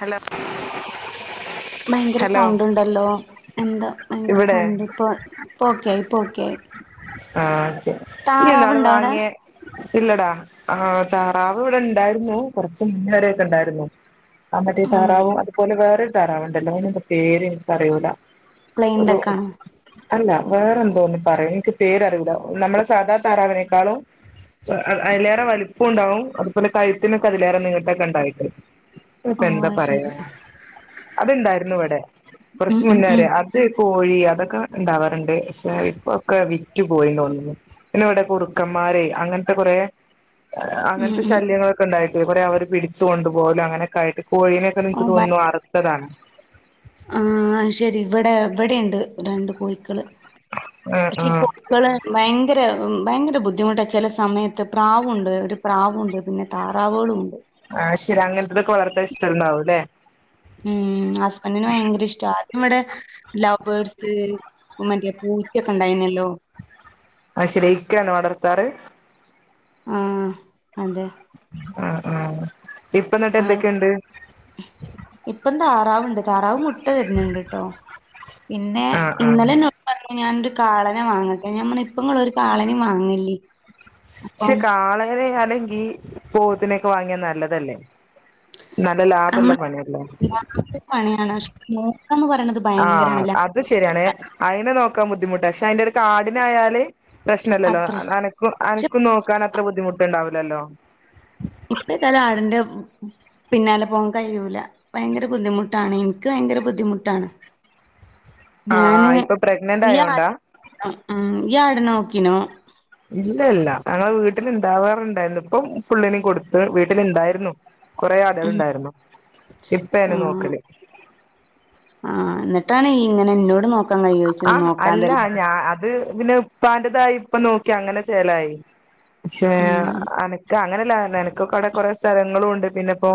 Hello ഭയങ്കര hello sound ഇണ്ടല്ലോ എന്താ ഭയങ്കര ഇവിടെ സൗണ്ട് ഇപ്പോ ഇപ്പോക്കേയി ഇപ്പോക്കെ ആയി. ആ നീ ഇന്നാള് താറാവുണ്ടോ അവിടെ വാങ്ങിയെ ഇല്ലടാ ആ താറാവ് ഇവിടെ ഇണ്ടായിരുന്നു കൊറച്ച് മുന്നെ വരൊക്കെ ഇണ്ടായിരുന്നു. ആ മറ്റേ ഉം താറാവും അതുപോലെ വേറെ തറാവുണ്ടല്ലോ അയിനെന്താ പേര് എനിക്ക് അറിയൂല. പ്ലെയിൻ ഡക്കാണോ? അല്ല വേറെന്തോ ഒന്ന് പറയും നിക്ക് പേരറിയൂല നമ്മളെ സാദാ താറാവിനേക്കാളും അ അയിലേറെ വലിപ്പുണ്ടാവും അതുപോലെ കഴുത്തിനൊക്കെ അതിലേറെ നീട്ടൊക്കെ ഇണ്ടായിട്ട്. അത്പ്പ ഓ എന്താ അത് ശരി പറയാ അത്ണ്ടായിരുന്നു ഇവടെ ഉം കൊറച്ച് ഉം മുന്നേ ഉം വരെ അത് കു കോഴി അതൊക്കെ ഇണ്ടാവാറ്ണ്ട് പഷേ ഇപ്പൊക്കെ വിറ്റു പോയി ന്നോന്ന്ണൂ. പിന്നെ ഇവടെ കുറുക്കന്മാരെ അങ്ങനത്തെ കൊറേ ഉം അങ്ങനത്തെ ഉം ശല്യങ്ങളൊക്കെ ഇണ്ടായി ട്ട് കൊറെ അവര് പിടിച്ച് കൊണ്ടുപോവല് അങ്ങനെ ക്കായിട്ട് കോഴിനെക്കെ ഓ നിക്ക് ഭയ തോന്നുണൂ അറുത്തതാ. ആ ശരി ഇവടെ ഇവിടെണ്ട് രണ്ട് കോയിക്കള് ആ ആ പക്ഷെ കോയിക്കള് ഭയങ്ക ങ്കര ഭയങ്കര ബുദ്ധിമുട്ട ചെല സമയത്ത് പ്രാവുണ്ട് ഒരു പ്രാവുണ്ട് പിന്നെ താറാവോളൂണ്ട് ആ ശരി അങ്ങനത്തതൊക്കെ വളർത്താൻ ഇഷ്ടണ്ടാവും ല്ലേ ഉം ഹസ്ബൻ്റിന് ഭയങ്കര ഇഷ്ട ഇവടെ ലൗവ് ബേർഡ്സ് മറ്റേ പൂറ്റക്കെ ഉണ്ടായിനല്ലോ അയ് ശരി ഇക്കാണോ വളർത്താറ് ആഹ് അതെ ആഹ് ഇപ്പ ന്നിട്ട് ആൾ എന്തൊക്കെണ്ട് ഇപ്പം താറാവുണ്ട് താറാവ് മുട് ട്ട തരുന്ന്ണ്ട് ട്ടോ പിന്നെ ആ ആ ഇന്നലെ എന്നോട്പറഞ്ഞു ഞാൻ ൻ്റെ കാളനെ വാങ്ങട്ടെ ഞാ പറഞ്ഞു ഇപ്പ ഇങ്ങള് ഒരു കാളെനിം വാങ്ങല്ലി പക്ഷെ കാളയരെ അ ല്ലെങ്കി പോത്തിനെയൊക്കെ വാങ്ങിയാ നല്ലതല്ലേ നല്ല ലാഭല്ല നമ്മള് പണി അല്ലേ നോ ആ അത് ശരിയാണ് അയിനെ നോക്കാൻ ബുദ്ധിമുട്ടാ അയിൻ്റടുക്ക ആടിനായാല് പ്രശ്നല്ലല്ലോ അത്ര അനക്കു പക്ഷെ അനക്കും നോക്കാൻ അത്ര ബുദ്ധിമുട്ടുണ്ടാവി ലല്ലോ ഇപ്പന്തായാലും ആടിൻ്റെ പ് പിന്നാലെ പോകാൻ കഴിയൂല ഭയങ്കര ബുദ്ധിമുട്ടാണ് എനിക്ക് ഭയങ്കര ബുദ്ധിമുട്ടാണ് ആ ഞാന് ആ ഇപ്പൊ പ്രഗ്നന്റ് ആയോണ്ടാ ഇയ്യ് ആടിനെ നോക്കിനോ ഇല്ല ഇല്ല ഞങ്ങളെ വീട്ടിലുണ്ടാവാറുണ്ടായിരുന്നപ്പം ഫുള്ളിനെയും കൊടുത്ത് വീട്ടിലുണ്ടായിരുന്നു വീട്ടിലുണ്ടായിരുന്നു കുറെ ഉം ആടുകളുണ്ടായിരുന്നു ഇപ്പയാരുന്നു ആഹ് നോക്കല് ട്ടാണ് ഈ ഇങ്ങനെ എന്നോട് നോ ആ അല്ല ഞാ അത് പിന്നെ ഇപ്പാന്റെതായി ഇപ്പ നോ ക്കി അങ്ങനെ ചേലായി പക്ഷേ ഉം അനക്ക് അങ്ങനല്ല നക്ക് ഞങ്ങക്കവടെ കൊറേ സ്ഥലങ്ങളുവുണ്ട് പിന്നെ ഇപ്പോ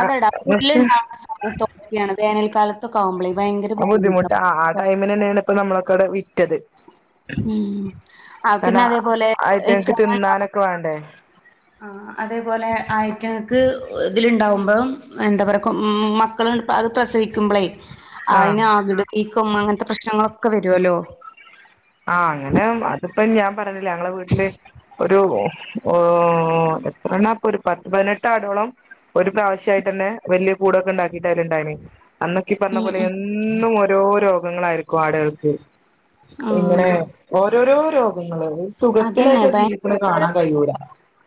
അതെടാ പുല്ലുണ്ടാവണ സമയത്തൊക്കേണ് വേനൽക്കാലത്ത് ആവുമ്പോളേക്കും ഭയങ്കര ബുദ്ധിമുട്ട് ബുദ്ധിമുട്ടാണ് ആ ടൈമിന് തന്നെയാണ് ഇപ്പ നമ്മളൊക്കെടെ വിറ്റത് കാരണം പിന്നെ ഊം അതേപോലെ ആയിട്ട ഞങ്ങക്ക് ചെയിണ്ടാവും തിന്നാനൊക്കെ വേണ്ടേ ആഹ് അതേപോലെ ആയ്റ്റങ്ങക്ക് ഉണ്ടാകുമ്പോ എന്താ പറയാ കൊ മക്കള് അത് പ്രസവിക്കുമ്പളെ ആഹ് അതിന് [unintelligible] അങ്ങനത്തെ പ്രശ്നങ്ങളൊ ഒക്കെ വരുവല്ലോ ആ അങ്ങനെ അതിപ്പോ ഞാൻ പറഞ്ഞില്ല ഞങ്ങളെ വീട്ടില് ഒരു ഒരു എത്രെണ്ണ ഇപ്പൊ ഒരു പത്ത് പതിനെട്ടാടോളം ഒരു പ്രാവശ്യയിട്ട് തന്നെ വലിയ കൂടൊക്കെ ഉണ്ടാക്കിട്ടയ്ല് അതിലുണ്ടായീനി അന്നോക്കീ പറഞ്ഞ ഉം പോലെ ഉം എന്നും ഓരോ രോഗങ്ങളായിരിക്കും ആടുകൾക്ക് ഇങ്ങനെ ആഹ് ഓരോരോ രോഗങ്ങള് അതന്നെ സുഖത്തിലായിട്ട് ജീവിക്കണ ഭയങ്കര കാണാൻ കഴിയൂല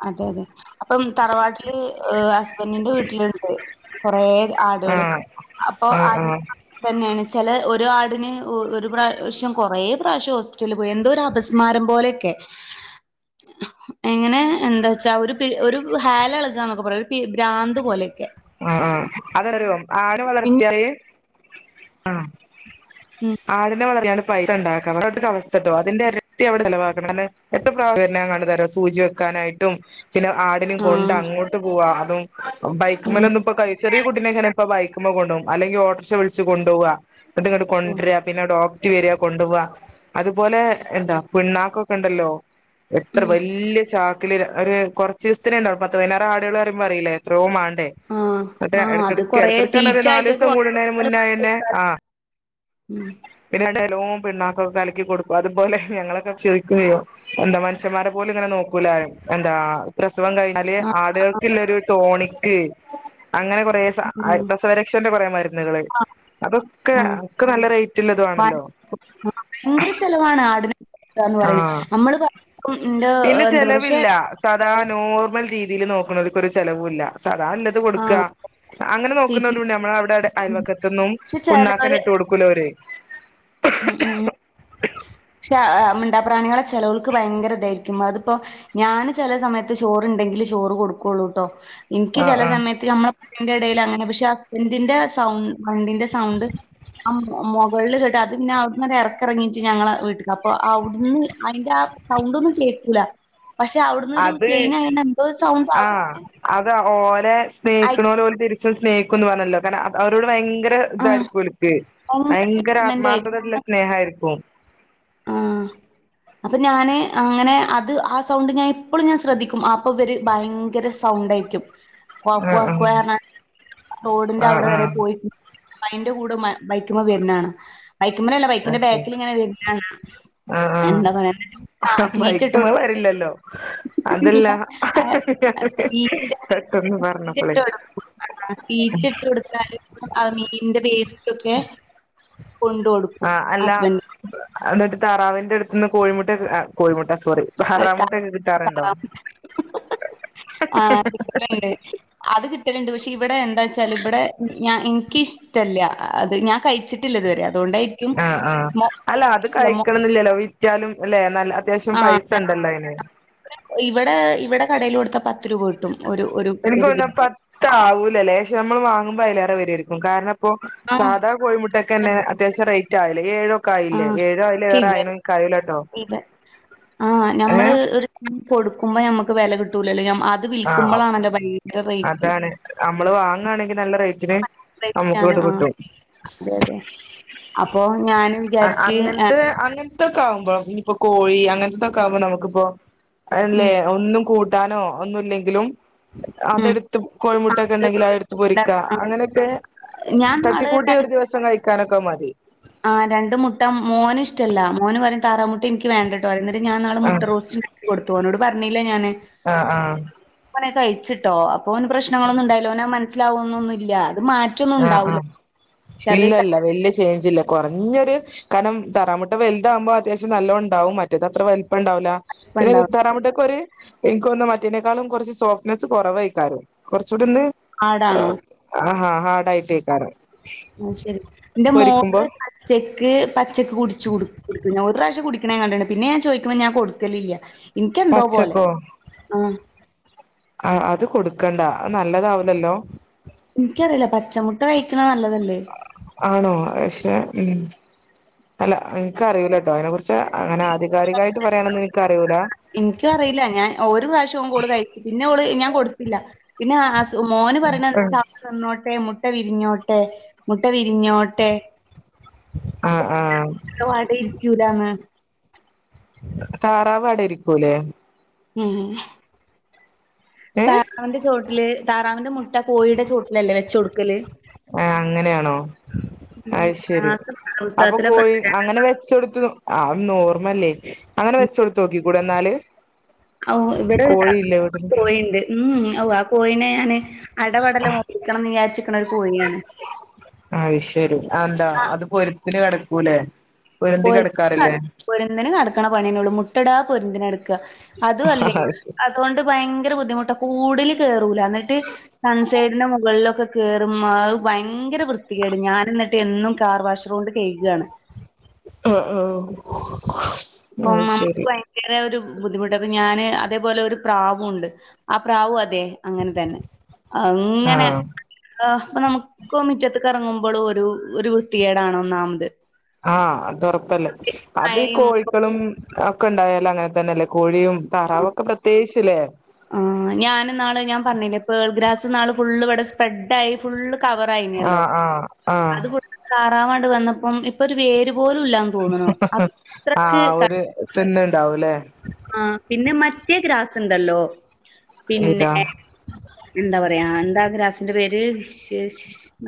അതെ അതെ അപ്പം തറവാട്ടില് ഹസ്ബൻറിന്റെ വീട്ടിലുണ്ട് കൊറേ ആടുകള് ആഹ് അപ്പൊ ആഹ് അത് ആഹ് തന്നെയാണ് ചില ഒരു ഒരാടിന് ഒരു പ്രാവശ്യം കുറേ പ്രാവശ്യം ഹോസ്പിറ്റലിൽ പോയി എന്തോ ഒരു അപസ്മാരം പോലെയൊക്കെ എങ്ങനെ എന്താ വച്ചാ ഒരു പി ഒരു ഹാലളുകാന്നൊക്കെ പറ ഒരു ഭ്രാന്ത് പോലെയൊക്കെ ആ ആ അതൊരു ആടു പിന്നെ വളർത്തിയാല് ആ ഉം ആടിനെ വളർത്തിയാൽ പൈസ ണ്ടാക്കാ ഓരോര്ത്തരെ അവസ്ഥട്ടോ അതിന്റെ ഇരട്ടി അവ്ടെ ചിലവാക്കണം അല്ല എത്ര പ്രാവശ്യം പലതരം സൂചി വെക്കാനായിട്ടും പിന്നെ ആടിനേം കൊണ്ട് ആഹ് അങ്ങോട്ട് പോവാ- ഉം ബൈക്കുമലൊന്നും ഇപ്പൊ കൈ ചെറിയ കുട്ടീനെങ്ങനെ ഇപ്പ ബൈക്കുമ്മ കൊണ്ടോകും അല്ലെങ്കിൽ ഓട്ടറ്ക്ഷ വിളിച്ച് കൊണ്ടോവാ ന്ന്ട്ട് കൊണ്ട് ആരാ പിന്നെ ഡോ- റേറ്റ് വരാ കൊണ്ടുപോവാ അതുപോലെ എന്താ പിണ്ണാക്കൊക്കെ ഉണ്ടല്ലോ എത്ര ഉം വലില്യേ ചാക്കില് ഒരു കുറച്ച് ദിവസത്തിനേണ്ടാവുള്ളൂ പത്ത് പതിനാറ്ആട്ള് പറയുമ്പോൾ അറീല്ലേ എത്രയോ മ- ആഹ് മറ്റേ ആഹ് ഇട അത് കൊറേ ഇടക്കടുക്കണ തീറ്റ നാല് ആയിട്ടൊക്കെ ദിവസം കൂടുന്നന് മുന്നേന്നെ ആഹ് ഊം നല്ലോം പിണ്ണാക്കൊക്കെ കലക്കി കൊടുക്കും. അതുപോലെ ഞങ്ങളൊക്കെ ചിരിക്കുയെ എന്താ മനുഷ്യമാരെ പോലും ഇങ്ങനെ നോക്കൂലാപറയും എന്താ പ്രസവം കഴിഞ്ഞാല് ആഹ് ആടുകൾക്കിള്ളൊരു ടോണിക്ക് - ക്ക് അങ്ങനെ കൊറേ സാ പ്രസവരക്ഷേന്റെ കൊറേ മരുന്നുകള് ആഹ് അതൊക്കെ- ആഹ് നല്ല റേറ്റ്ള്ളതു ആണല്ലോ ഭയങ്കര ചെലവാണ് ആടിന് ന്താന്ന് പറയണ ആഹ് നമ്മള് പിന്നെ [unintelligible] പഷേ [unintelligible] രീതിൽ നോക്കണ്ണോർക്കൊരു ചെലവും ഇല്ല സദാ നല്ലത് ആഹ് കൊടുക്വാ അങ്ങനെ സിറ്റി നോക്കുന്നൊലുണ്ട് നമ്മളെ അവിടെടെ അയൽവക്കത്തൊന്നും പക്ഷെ പിണ്ണാക്ക് ഒന്നും ചെലോര് ഇട്ട്കൊടുക്കില്ല കൊടുക്കൂലവര് ഉം ഉം മിണ്ടാ പ്രാണികളെ ചെലോൽക്ക് ഭയങ്കരതായിരിക്കും അതിപ്പോ ഞാന് ചേലെ സമയത്ത് ചോറുണ്ടെങ്കില് ചോറ് കൊടുക്കുള്ളൂട്ടോ ഇൻകി ആഹ് ചെല ആഹ് സമയത്ത് മ്മള്- അ യിന്റെ ഇടയിൽ അങ്ങനെ പക്ഷെ ഹസ്ബന്റിന്റെ സൗ വണ്ടിന്റെ സൗണ്ട് ആ [unintelligible] [unintelligible] [unintelligible] അത് പിന്നെ അവിടന്നൊരു ഇറക്കിറങ്ങിട്ട് ഞങ്ങള് വീട്ട്ക്ക് അപ്പൊ അവിടന്ന് അതിന്റെ ആ സൗണ്ട് ഒന്നും കേക്കൂല പഷേ അവിടന്നൊരു അത് ചെയ്യിനായണ എന്തോ ഒരു സൗണ്ട്വ ഓരെ സ്നേഹക്കണോലോല് തിരി സ്നേഹിക്കുന്ന് പറഞ്ഞല്ലോ കാരണം അവരോട് ഭയങ്ക ത് തായിരിക്കും ഓൽക്ക് ഭയങ്കര ആത്മാർത്ഥതള്ള സ്നേഹ ആയിരിക്കും ആ അപ്പൊ ഞാന് അങ്ങനെ അത് ആ സൗണ്ട് ഞാൻ എപ്പോഴും ഞാൻ ശ്രദ്ധിക്കും അപ്പൊ വര് ഭയങ്കര സൗണ്ടായിരിക്കും ക്വാ ആഹ് ക്വാ റോഡിന്റെ ആഹ് അവിടെ ആഹ് വരെ ആഹ് പോയി മയിന്റെ കൂടെ മ ബൈക്കുമേ വര്ണകാ ണാ ബൈക്ക്മലല്ല ബൈക്കിന്റെ അത് ശരി ബാക്കിലിങ്ങനെ വര് ആഹ് എന്താ പറയ [unintelligible] ആഹ് തീറ്റട്ട് ബൈക്ക്മ്മെ വരില്ലല്ലോ കൊടുത്ത അതല്ല പെട്ടെന്ന് പറഞ്ഞപ്പളെ [unintelligible] ക്കോക്കെ കൊണ്ട് കൊടുക്കും ആഹ് അല്ല ഹസ്ബൻഡ് എന്നിട്ട് താറാവിന്റെടുത്തുന്ന് കോഴിമുട്ട കോഴിമുട്ട സോറി [inaudible] താറാമുട്ടൊക്കെ കിട്ടാറുണ്ടോ അത് കിട്ടലുണ്ട് പഷേ ഇവിടെ എന്താച്ചാല് ഇവിടെ ഞ എനിക്കിഷ്ട്ടല്ല അത് ഞാൻ കഴിച്ചിട്ടില്ല ഇതുവരെ അ ആ ആ അല്ല അത് ഇഷ്ടല്ല. കഴിക്കണന്നില്ലല്ലോ വിറ്റാലും അല്ലെ നല്ല അത്യാവശ്യം ആ പൈസ ഉണ്ടല്ലോ അയിന് ഇവിടെ ഇവിടെ കടെല് കൊടുത്ത പത്ത് രൂപ കിട്ടും ഒരു ഒരു എനിക്ക് ഒരിതിന്. [unintelligible] പത്താവൂലല്ലേ ക്ഷെ മ്മള് വാ മ്പയ്‌ലേറെ വെരരിക്കും കാരണം പ്പൊ ആഹ്. സാധാ കോഴിമുട്ട ക്കെതന്നെ ഇപ്പൊ അത്യാവശ്യ റേറ്റ് [unintelligible] ഏഴോ ആ ആയില്ലേ അയിലേറെ ആയിണോ [unintelligible] ഇൻക്കറിയൂലട്ടോ ആ നമ്മള് ഏഹ് ഒരു [unintelligible] കൊടുക്കുമ്പോ നമ്മക്ക് വെല കിട്ടും- ട്ടൂല്ലല്ലോ ഞമ്മ് ആഹ് അതാണ് അമ്മള് വാങാണെങ്കി നല്ല റേറ്റ് [unintelligible] ആ അതെ അതെ അപ്പൊ ഞാന് വിചാര്ച്ച് ന ത്തൊക്കാമ്പോ ഇനിപ്പോ കോഴി അങ്ങൻതതൊക്കാവ്മ്പോ നമുക്ക്പ്പോ- അല്ലെ ഉം ഒന്നും കൂട്ട ട്ടാലോ ഒന്നുല്ലെങ്കിലും ഉം. അതെട്ത്ത് കോഴിമുട്ടൊക്കെ ണ്ടെങ്കിൽ അതെടുത്ത് ആഹ്. പൊരിക്ക അങ്ങനെക്കെ ഞാൻ തട്ടിക്കൂട്ടി ഒരു ദിവസം കഴിക്കാനൊക്കെ അഹ് മതി ആ രണ്ടു മുട്ട മോന് ഇഷ്ടല്ല മോന് പറിം താറാമുട്ട ഇൻക്കി വേണ്ടട്ടൊ അറിം ന്ന് ഞാൻ ന്നാള് ആ മുട്ട റോസ്റ്റ് [unintelligible] കൊടു തോനോട് പറഞ്ഞില്ല ഞാന് ആഹ് ആഹ് ച്ചിട്ടോ അ ഓന് പ്രശ്നങ്ങളൊന്നു ണ്ടായ്ല ഓന മൻ സ്സിലാവൊന്നൊന്നുല്ല ആഹ് ആഹ് അത് ഇല്ലല്ല വല്ല്യ ചേഞ്ചില്ല കൊർഞ്ഞൊര് കാരണം തറാമുട്ട വൽതാവുമ്പോ അത്യാശ്യം നല്ലൊണ്ടാവും മറ്റത ത്ര വൽപ്പം ണ്ടാവുല പിന്നെ കയ്പ്പുണ്ടാവും. താറാമുട്ടക്കൊര് എൻക്കോന്ന് മറ്റേനേക്കാളും കൊർച്ച് സോഫ്റ്റ്നെസ്സ് കുറവെയ്ക്കാരം കൊർ ചൂട്ണ്ട് അ പാടാണോ? ആ അയ്ട്ടെയ്ക്കാരം ഉം ശെരി ന്റെ മോക്ക് പച്ചക്ക് ച്ചക്ക് [unintelligible] [unintelligible] ഞാൻ കണ്ട്ണ് പിന്നെ ഞാന് ചോയ്ക്കുമ്പോ ഞാ കൊട്ക്കലില്ല ഇൻക്കെന്തോ പോലെ പച്ചക്കോ ആ അത് കൊടുക്കണ്ട നല്ലതാവുലല്ലോ ഇൻക്കറിയില്ല പച്ചമുട്ട കഴിക്ക്ണെ നല്ലതല്ലേ ആണോ പക്ഷെ ഉം അല്ല ഇൻക്കറിയൂല്ലട്ടോ അയ്നെ കുറിച്ച് അങ്ങനെ ആധികാരികായിട്ട് പറയാനൊന്നു ഇനിക്കറി ഇൻക്കും അറിയില്ല ഞാൻ ഒര് പ്രാവശ്യം ഓള് കഴി പിന്നെ ഓള് ഞാൻ കൊട്ത്തില്ല പിന്നെ ആ മോന് പറിണ [unintelligible] ന്നോട്ടെ മുട്ട വിര്ഞ്ഞോട്ടെ മുട്ട വിര് ര്ഞ്ഞോട്ടെ ആ അപ്പൊ ആ [unintelligible] ടെ ഇര്ക്കൂലന്ന് താറാവാടയിരിക്കൂല്ലേ ഉം ഏഹ് താറാവിന്റെ ചോട്ടില് താറാവിന്റെ മുട് ട്ട കോയിടെ ചോട്ടിലല്ലേ വെച്ച് കൊടുക്കല് ആ അങ്ങനെയാണോ ഉം അത് ശരി ക്ലാസ് അപ്പൊ പുസ്തകത്തിലൊക്കെ കോഴി അങ്ങനെ വെച്ചൊടുത്ത് അതൊന്നോർമല്ലേ അങ്ങനെ വെച്ചൊടുത്തോക്കി കൂടെന്നാല് ഓ ഇവിടെ കോയിണ്ട് ഉ ഓ ആ കോയിനെ ഞാന് അടവടല [unintelligible] വിചാരിച്ചിക്കണ ഒരു കോഴിയാണ് ആ ത്തിന് കെടക്കൂലേ [unintelligible] പൊര്ന്തിന് കെടക്ക്ണ പണിയെന്നെള്ളൂ മുട്ടടാ പൊരുന്തിന് കെടക്ക അതു അല്ലേ അത് അതുകൊണ്ട് ഭയങ്കര ബു ദ്ധിമുട്ട് കൂട്ല് കേറൂല ഇന്നിട്ട് സൺസൈഡിന്റെ മുകളിലൊക്കെ കേറുമ്പോ അത് ഭയങ്കര വൃത്തികേട് ഞാൻ എന്നിട്ട് എന്നും കാർവാഷോണ്ട് കെഴ്കാണ് അ അ പ്പം നമ്മുക്ക് ഭയങ്കര ഒരു ബുദ്ധിമുട്ട അപ്പൊ ഞാന് അതേപോലെ ഒരു പ്രാവുംണ്ട് ആ പ്രാവും അതെ അങ്ങനെ തന്നെ ആ ആ അത് ശരി ആ അങ്ങനെ ആ അപ്പൊ നമുക്കും മുറ്റത്ത് എറങ്ങുമ്പോ ഒരു വൃത്തികേടാണ് ഒന്നാമത് അ അത് ഉറപ്പല്ലേ പ്രത്യേകിച്ച് അത് മഴയും കോഴി ക്കളും ഒക്കെ ഉണ്ടായാലങ്ങനെ തന്നെല്ലേ കോഴിയും താറാവൊക്കെ പ്രത്യേകിച്ച് [unintelligible] ആ ഞാന് ന്നാള് ഞാൻ പറഞ്ഞില്ലേ പേൾ ഗ്രസ്സ് ഫുള്ള് ഇവിടെ സ്പ്രെഡായി ഫുള്ള് ആ കവറായിന്നല്ലോ [unintelligible] ആ ആ [unintelligible] വാണ്ട് വന്നപ്പം ഇപ്പൊ ഒരു വേരും ആ ഒരു തുന്നുണ് ഉണ്ടാവുലേ. ആ പിന്നെ മറ്റേ ഗ്രാസുണ്ടല്ലോ ഇതാ പിന്നെ എന്താ പറയാ എന്താ. ഗ്രാസിന്റെ പേര്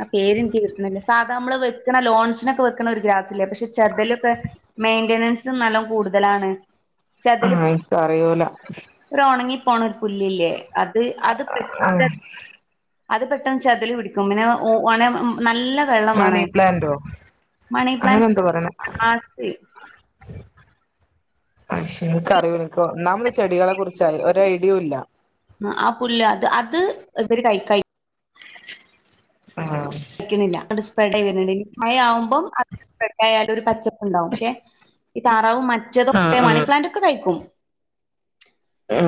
ആ പേര്ൻക്ക് കിട്ട്ണില്ല സാധാ നമ്മള് വെക്കണ ലോൺസിനൊക്കെ വെക്കണ ഒരു ഗ്രാസില്ലേ? പക്ഷെ ചെതലൊക്കെ മെയിന്റനൻസ് നല്ല കൂടുതലാണ്. ആ ചെതല് എനിക് അറിയൂല. കോണർ പുല്ലില്ലേ. അത് അത് പെട്ട ആഹ് അത് പെട്ടെന്ന് ചെതല് പിടിക്കും പിന്നെ ഓന നല്ല വെള്ളം മണി മാണം പ്ലാന്റോ അങ്ങനെ മണിപ്ലാന്റ്സ് എന്തോ പറയണെ [unintelligible] പക്ഷെ എനക്ക് അറിയോ എനിക്കോ നാമ്മുടെ ചെടികളെ കുറിച്ചായി ഒ ഐഡിയവും ഇല്ല. ആ പുല്ല് അത് അത് ഇവര് കൈ ആ കില്ല സ്പ്രഡ മഴ ആവുമ്പോ അ സ്പ ആയാലും ഒരു പച്ചപ്പ് ഉണ്ടാവും പക്ഷെ ഈ താറാവും മ ച്ചതൊക്കെ മണി പ്ലാന്റ് ഒക്കെ കഴിക്കും. ആ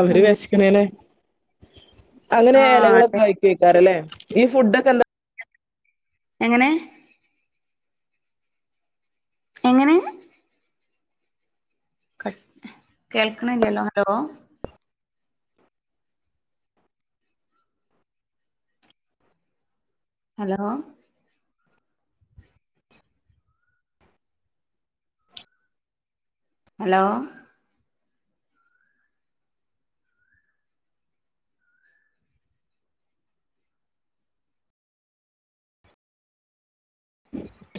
അവര് അങ്ങ വെശക്കണേനെ [inaudible] അങ്ങനെ ആഹ് ഇലകളൊക്കെ കയ്‌ക്കും അയ്ക്കാരല്ലേ? ഈ ഫുഡൊക്കെ എന്താ? എങ്ങനെ? എങ്ങനെ? കേൾക്കണില്ലല്ലോ ഹലോ. ഹലോ. ഹലോ.